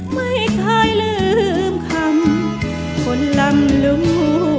ไม่ค่อยลืมคำคนลำลุงกา